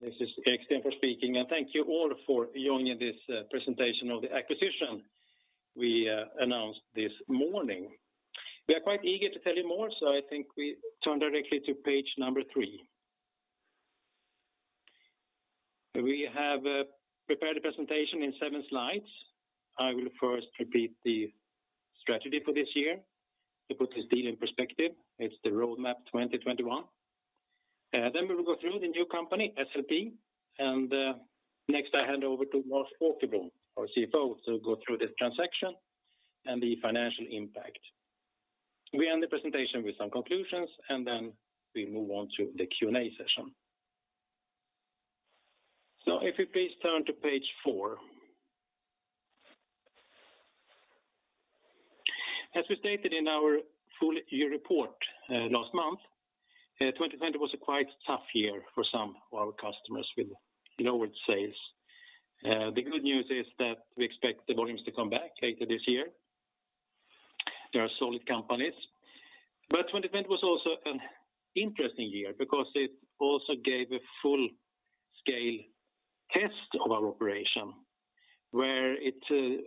This is Erik Stenfors speaking. Thank you all for joining this presentation of the acquisition we announced this morning. We are quite eager to tell you more, so I think we turn directly to page number three. We have prepared a presentation in seven slides. I will first repeat the strategy for this year to put this deal in perspective. It's the Roadmap 2021. We will go through the new company, SLP, and next I hand over to Lars Åkerblom, our CFO, to go through this transaction and the financial impact. We end the presentation with some conclusions, and then we move on to the Q&A session. If you please turn to page four. As we stated in our full-year report last month, 2020 was a quite tough year for some of our customers with lowered sales. The good news is that we expect the volumes to come back later this year. They are solid companies. 2020 was also an interesting year because it also gave a full-scale test of our operation, where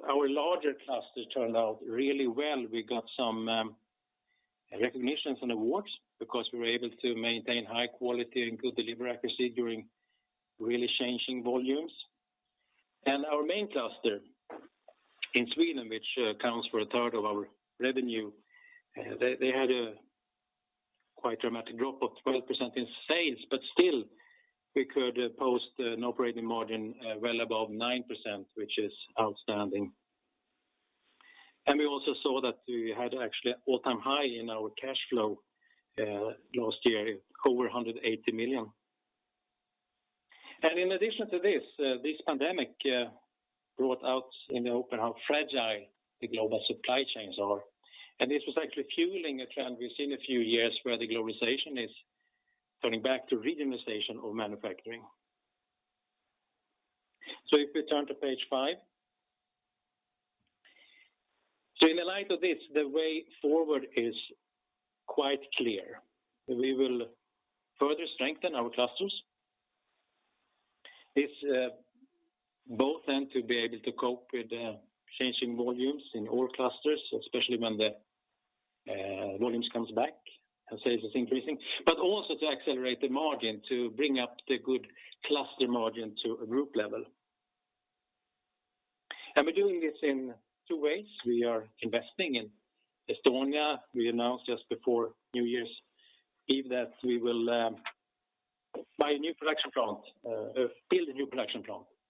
our larger cluster turned out really well. We got some recognitions and awards because we were able to maintain high quality and good delivery accuracy during really changing volumes. Our main cluster in Sweden, which accounts for 1/3 of our revenue, they had a quite dramatic drop of 12% in sales, but still we could post an operating margin well above 9%, which is outstanding. We also saw that we had actually all-time high in our cash flow last year, over 180 million. In addition to this pandemic brought out in the open how fragile the global supply chains are. This was actually fueling a trend we've seen a few years where the globalization is turning back to regionalization of manufacturing. If we turn to page five. In the light of this, the way forward is quite clear. We will further strengthen our clusters. It's both then to be able to cope with the changing volumes in all clusters, especially when the volumes comes back and sales is increasing, but also to accelerate the margin to bring up the good cluster margin to a group level. We're doing this in two ways. We are investing in Estonia. We announced just before New Year's Eve that we will build a new production plant,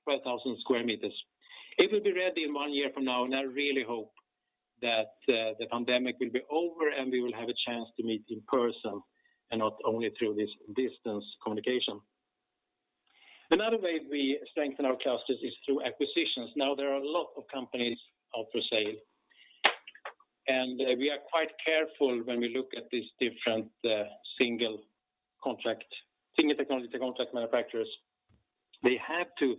12,000 sq m. It will be ready in one year from now, and I really hope that the pandemic will be over, and we will have a chance to meet in person and not only through this distance communication. Another way we strengthen our clusters is through acquisitions. Now, there are a lot of companies up for sale, and we are quite careful when we look at these different single technology contract manufacturers. They have to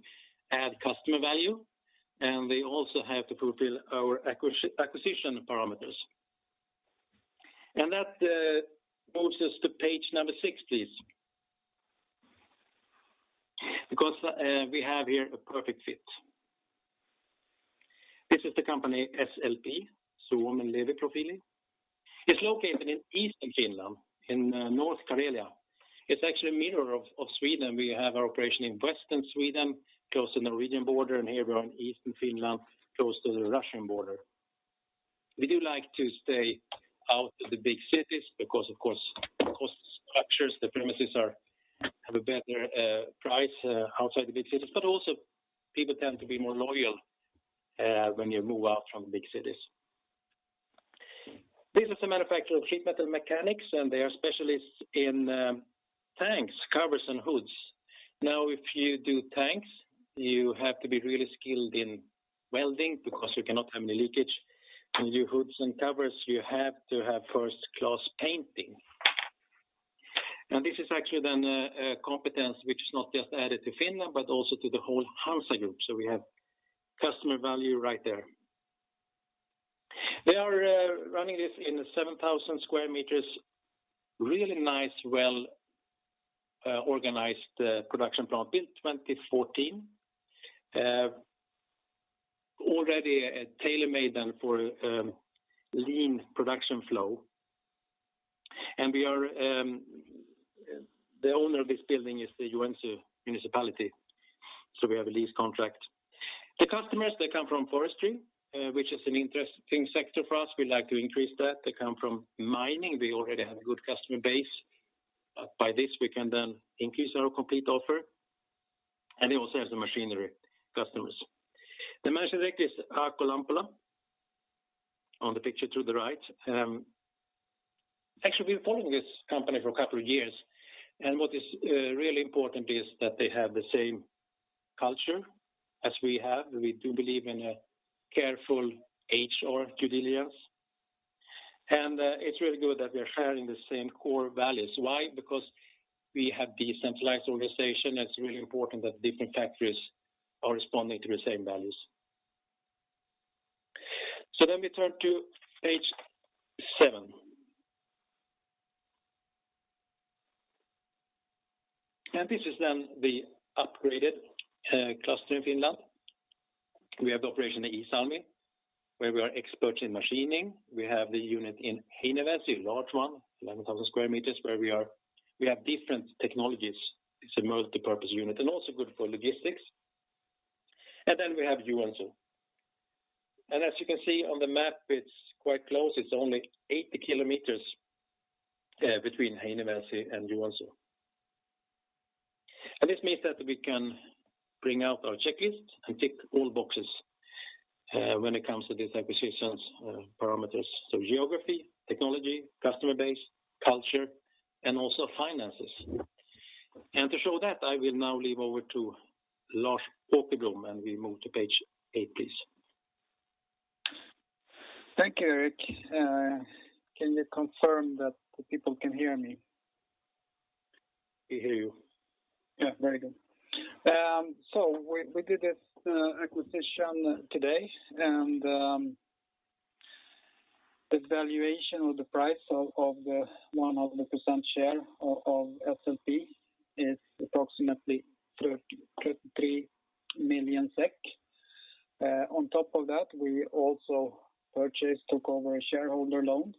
add customer value, and they also have to fulfill our acquisition parameters. That moves us to page number six, please. We have here a perfect fit. This is the company SLP, Suomen Levyprofiili. It's located in Eastern Finland, in North Karelia. It's actually a mirror of Sweden. We have our operation in Western Sweden, close to the Norwegian border, and here we are in Eastern Finland, close to the Russian border. We do like to stay out of the big cities because, of course, cost structures, the premises have a better price outside the big cities, but also people tend to be more loyal when you move out from the big cities. This is a manufacturer of sheet metal mechanics, and they are specialists in tanks, covers, and hoods. Now, if you do tanks, you have to be really skilled in welding because you cannot have any leakage. When you do hoods and covers, you have to have first-class painting. Now, this is actually then a competence which is not just added to Finland, but also to the whole HANZA group, so we have customer value right there. They are running this in a 7,000 sq m, really nice, well-organized production plant built in 2014. Already tailor-made then for lean production flow. The owner of this building is the Joensuu Municipality, we have a lease contract. The customers, they come from forestry, which is an interesting sector for us. We like to increase that. They come from mining. We already have a good customer base. By this, we can then increase our complete offer. They also have the machinery customers. The Managing Director is Aku Lampola on the picture to the right. Actually, we've been following this company for a couple of years, what is really important is that they have the same culture as we have. We do believe in a careful HR due diligence. It's really good that we're sharing the same core values. Why? We have decentralized organization, it's really important that different factories are responding to the same values. Then we turn to page seven. This is then the upgraded cluster in Finland. We have the operation in Iisalmi, where we are experts in machining. We have the unit in Heinävesi, a large one, 11,000 sq m, where we have different technologies. It's a multipurpose unit and also good for logistics. Then we have Joensuu. As you can see on the map, it's quite close. It's only 80 km between Heinävesi and Joensuu. This means that we can bring out our checklist and tick all boxes when it comes to these acquisitions parameters. Geography, technology, customer base, culture, and also finances. To show that, I will now leave over to Lars Åkerblom, and we move to page eight, please. Thank you, Erik. Can you confirm that the people can hear me? We hear you. Yeah, very good. We did this acquisition today, and the valuation or the price of the 100% share of SLP is approximately 33 million SEK. On top of that, we also took over a shareholder loan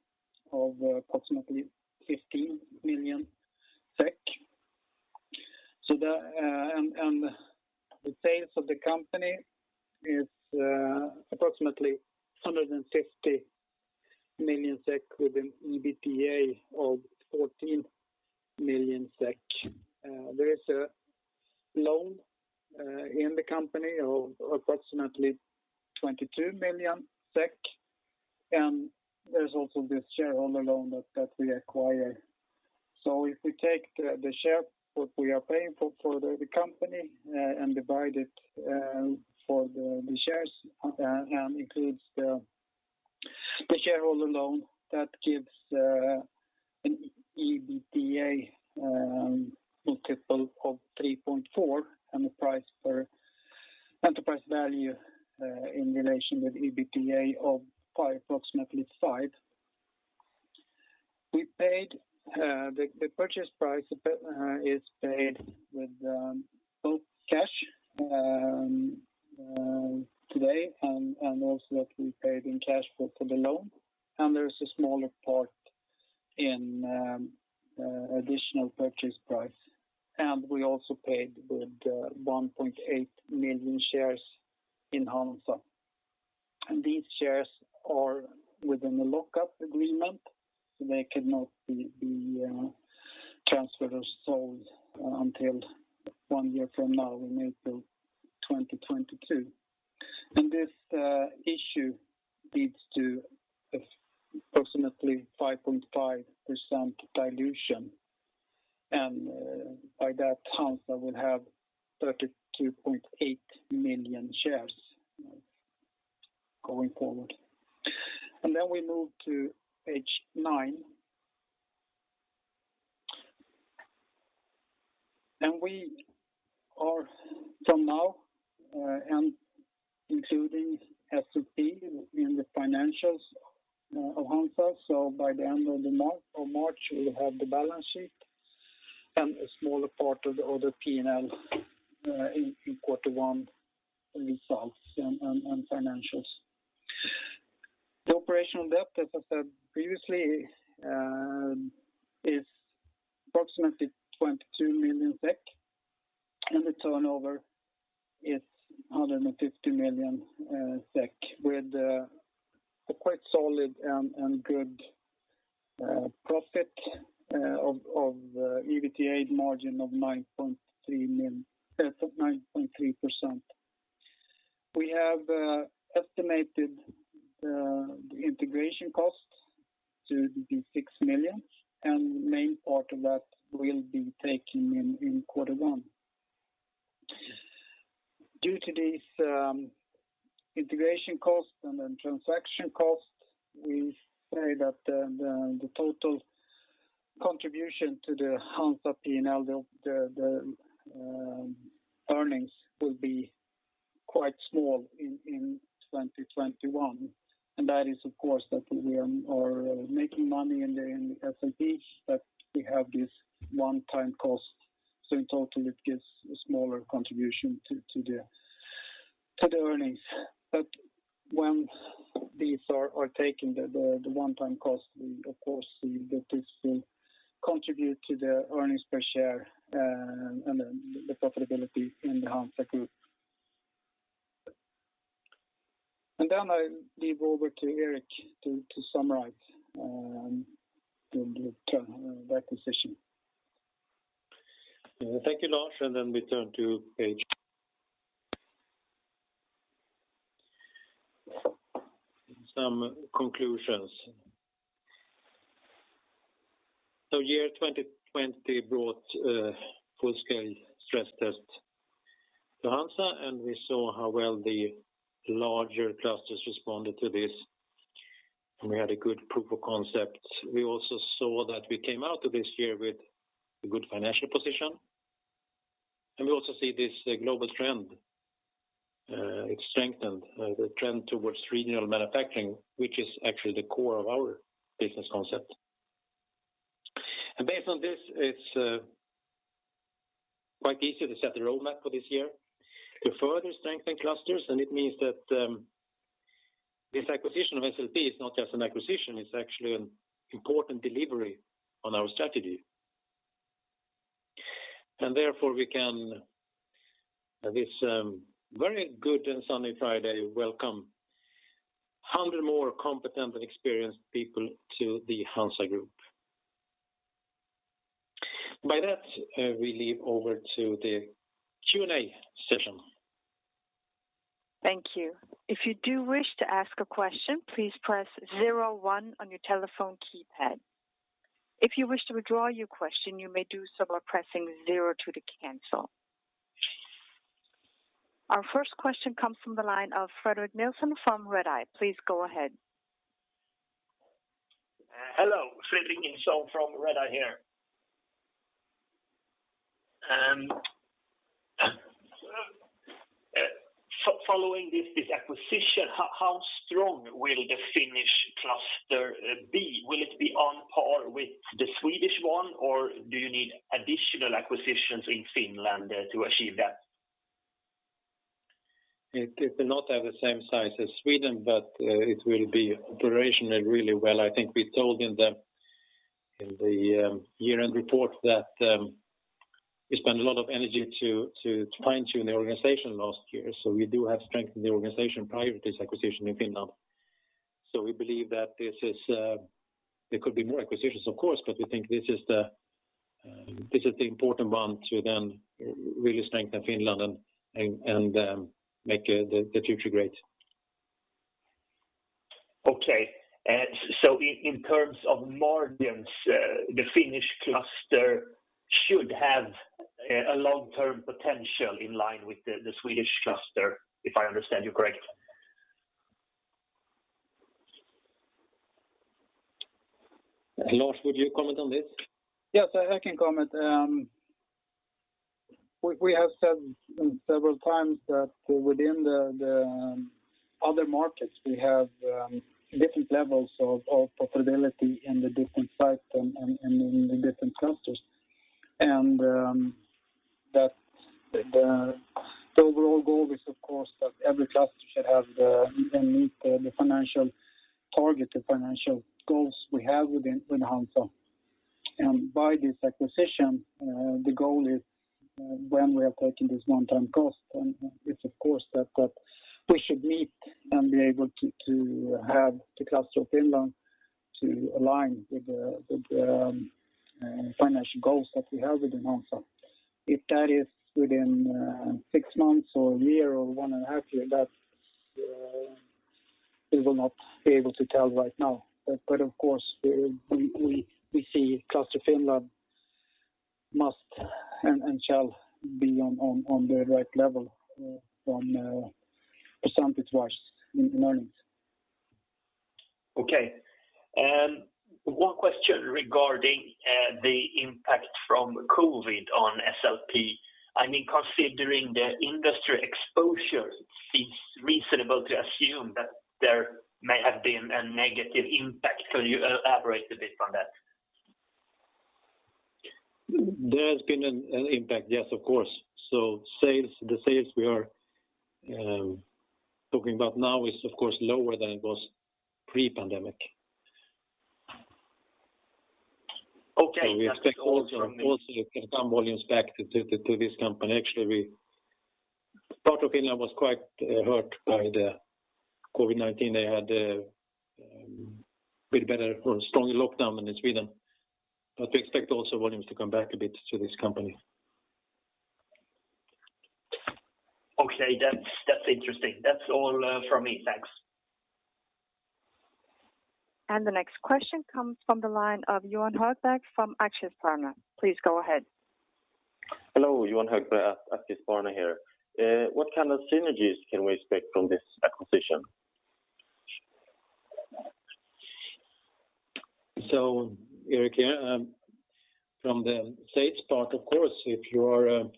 of approximately 15 million SEK. The sales of the company is approximately 150 million SEK with an EBITDA of 14 million SEK. There is a loan in the company of approximately 22 million SEK, and there's also this shareholder loan that we acquired. If we take the share, what we are paying for the company and divide it for the shares and includes the shareholder loan, that gives an EBITDA multiple of 3.4 and enterprise value in relation with EBITDA of approximately 5. The purchase price is paid with both cash today and also that we paid in cash flow for the loan. There's a smaller part in additional purchase price. We also paid with 1.8 million shares in HANZA. These shares are within the lock-up agreement, so they cannot be transferred or sold until one year from now in April 2022. This issue leads to approximately 5.5% dilution, and by that time, that will have 32.8 million shares going forward. We move to page nine. We are from now including SLP in the financials of HANZA, so by the end of March, we'll have the balance sheet and a smaller part of the other P&L in quarter one results and financials. The operational debt, as I said previously, is approximately 22 million SEK, and the turnover is 150 million SEK, with a quite solid and good profit of EBITDA margin of 9.3%. We have estimated the integration cost to be 6 million, and main part of that will be taking in quarter one. Due to these integration costs and then transaction costs, we say that the total contribution to the HANZA P&L, the earnings will be quite small in 2021. That is, of course, that we are making money in the SLP, but we have this one-time cost. In total, it gives a smaller contribution to the earnings. When these are taken, the one-time cost, we of course see that this will contribute to the earnings per share and the profitability in the HANZA Group. Then I leave over to Erik to summarize the acquisition. Thank you, Lars. We turn to page some conclusions. The year 2020 brought a full-scale stress test to HANZA. We saw how well the larger clusters responded to this, we had a good proof of concept. We also saw that we came out of this year with a good financial position. We also see this global trend. It's strengthened the trend towards regional manufacturing, which is actually the core of our business concept. Based on this, it's quite easy to set the Roadmap for this year to further strengthen clusters. It means that this acquisition of SLP is not just an acquisition, it's actually an important delivery on our strategy. Therefore we can, this very good and sunny Friday, welcome 100 more competent and experienced people to the HANZA group. By that, we leave over to the Q&A session. Thank you. If you do wish to ask a question, please press zero one on your telephone keypad. If you wish to withdraw your question, you may do so by pressing zero two to cancel. Our first question comes from the line of Fredrik Nilsson from Redeye. Please go ahead. Hello, Fredrik Nilsson from Redeye here. Following this acquisition, how strong will the Finnish cluster be? Will it be on par with the Swedish one, or do you need additional acquisitions in Finland to achieve that? It will not have the same size as Sweden, but it will be operational really well. I think we told in the year-end report that we spent a lot of energy to fine-tune the organization last year. We do have strength in the organization prior to this acquisition in Finland. We believe that there could be more acquisitions, of course, because we think this is the important one to then really strengthen Finland and make the future great. Okay. In terms of margins, the Finnish cluster should have a long-term potential in line with the Swedish cluster, if I understand you correctly? Lars, would you comment on this? Yes, I can comment. We have said several times that within the other markets, we have different levels of profitability in the different sites and in the different clusters. The overall goal is, of course, that every cluster should have and meet the financial target, the financial goals we have within HANZA. By this acquisition, the goal is when we have taken this one-time cost, it's of course that we should meet and be able to have the cluster of Finland to align with the financial goals that we have within HANZA. If that is within six months or a year or one and a half year, that we will not be able to tell right now. Of course, we see cluster Finland must and shall be on the right level from a percentage-wise in earnings. Okay. One question regarding the impact from COVID-19 on SLP. Considering the industry exposure, it seems reasonable to assume that there may have been a negative impact. Can you elaborate a bit on that? There has been an impact, yes, of course. The sales we are talking about now is of course lower than it was pre-pandemic. Okay. We expect also some volumes back to this company. Actually, part of Finland was quite hurt by the COVID-19. They had a bit better or stronger lockdown than Sweden. We expect also volumes to come back a bit to this company. Okay. That's interesting. That's all from me. Thanks. The next question comes from the line of Johan Högberg from Aktiespararna. Please go ahead. Hello, Johan Högberg at Aktiespararna here. What kind of synergies can we expect from this acquisition? Erik here. From the sales part, of course, if you are a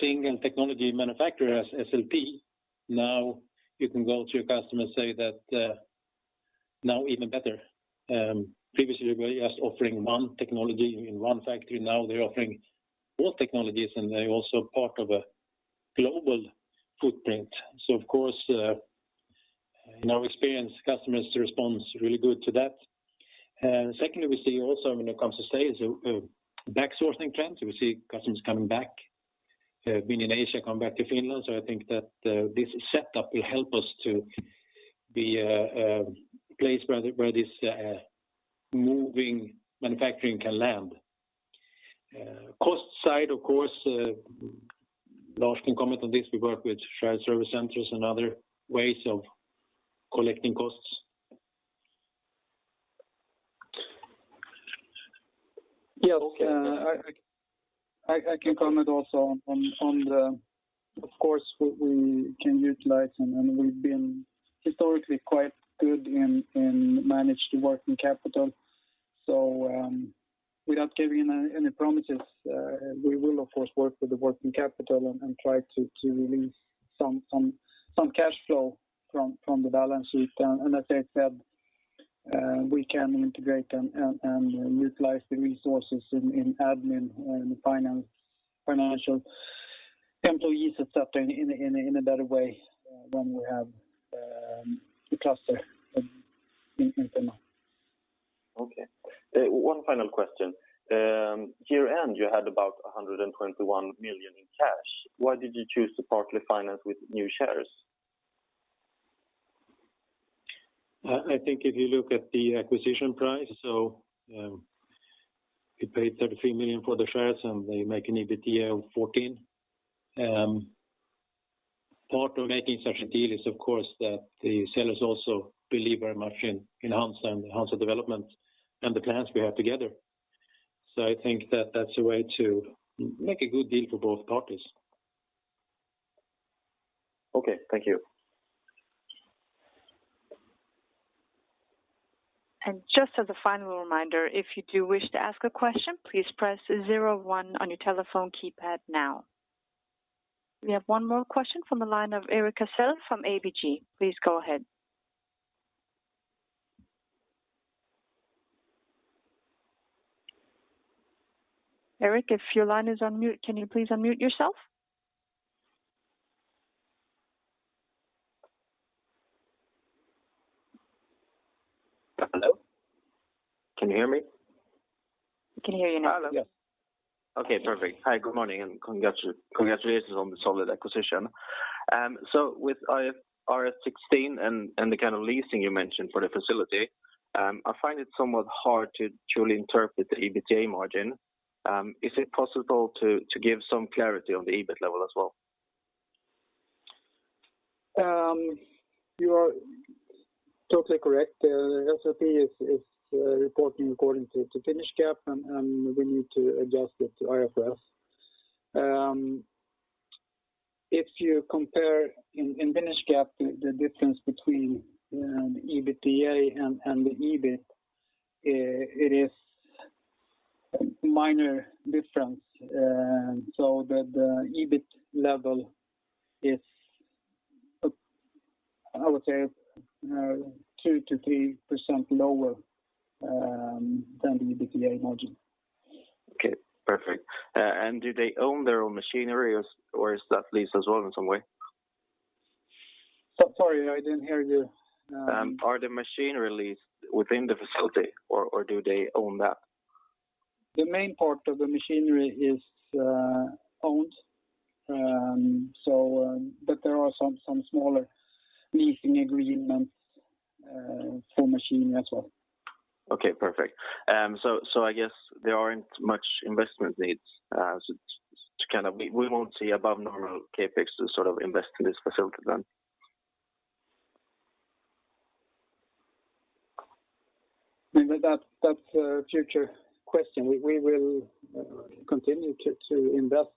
single technology manufacturer as SLP, now you can go to your customer and say that now even better. Previously, we were just offering one technology in one factory. Now they're offering all technologies, and they're also part of a global footprint. Of course, in our experience, customers response really good to that. Secondly, we see also when it comes to sales, a backsourcing trend. We see customers coming back, been in Asia, come back to Finland. I think that this setup will help us to be a place where this moving manufacturing can land. Cost side, of course, Lars can comment on this. We work with shared service centers and other ways of collecting costs. Yes, I can comment also. Of course, what we can utilize, and we've been historically quite good in managing working capital. Without giving any promises, we will of course work with the working capital and try to release some cash flow from the balance sheet. As I said, we can integrate and utilize the resources in admin and financial employees et cetera in a better way when we have the cluster in Finland. Okay. One final question. Year-end, you had about 121 million in cash. Why did you choose to partly finance with new shares? I think if you look at the acquisition price, we paid 33 million for the shares, and they make an EBITDA of 14 million. Part of making such a deal is, of course, that the sellers also believe very much in HANZA and the HANZA development and the plans we have together. I think that's a way to make a good deal for both parties. Okay. Thank you. Just as a final reminder, if you do wish to ask a question, please press zero one on your telephone keypad now. We have one more question from the line of Erik Cassel from ABG. Please go ahead. Erik, if your line is on mute, can you please unmute yourself? Hello? Can you hear me? We can hear you now. Hello. Yes. Okay, perfect. Hi, good morning, and congratulations on the solid acquisition. With IFRS 16 and the kind of leasing you mentioned for the facility, I find it somewhat hard to truly interpret the EBITDA margin. Is it possible to give some clarity on the EBIT level as well? You are totally correct. SLP is reporting according to Finnish GAAP, and we need to adjust it to IFRS. If you compare in Finnish GAAP the difference between the EBITDA and the EBIT, it is a minor difference. The EBIT level is, I would say, 2%-3% lower than the EBITDA margin. Okay, perfect. Do they own their own machinery, or is that leased as well in some way? Sorry, I didn't hear you. Are the machinery leased within the facility, or do they own that? The main part of the machinery is owned. There are some smaller leasing agreements for machinery as well. Okay, perfect. I guess there aren't much investment needs. We won't see above normal CapEx to invest in this facility then? That's a future question. We will continue to invest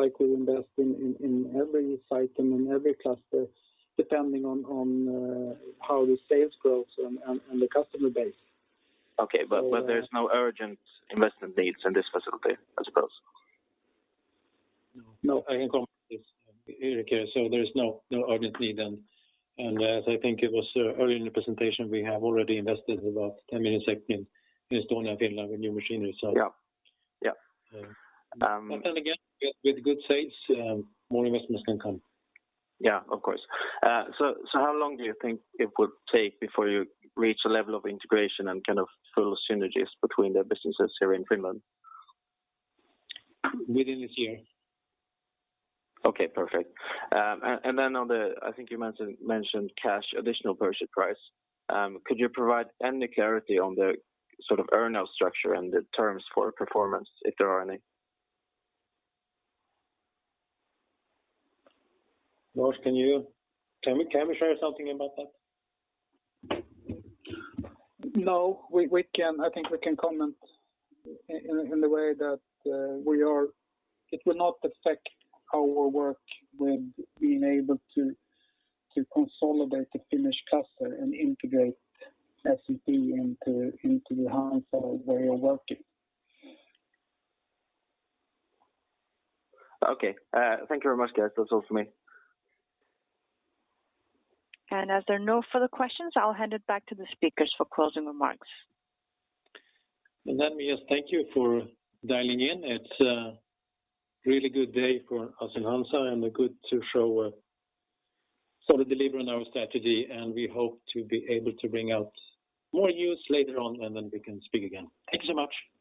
like we invest in every site and in every cluster, depending on how the sales grows and the customer base. Okay, there's no urgent investment needs in this facility, I suppose? No. I can comment this, Erik. There is no urgent need. As I think it was earlier in the presentation, we have already invested about 10 million in Estonia, Finland with new machinery. Yes. Again, with good sales, more investments can come. Yes, of course. How long do you think it would take before you reach a level of integration and full synergies between the businesses here in Finland? Within this year. Okay, perfect. On the, I think you mentioned cash, additional purchase price, could you provide any clarity on the sort of earn-out structure and the terms for performance, if there are any? Lars, can we share something about that? No. I think we can comment in the way that it will not affect our work with being able to consolidate the Finnish cluster and integrate SLP into the HANZA way of working. Okay. Thank you very much, guys. That's all from me. As there are no further questions, I'll hand it back to the speakers for closing remarks. Then we just thank you for dialing in. It's a really good day for us in HANZA, and good to show solid delivery on our strategy. We hope to be able to bring out more news later on, and then we can speak again. Thank you so much. This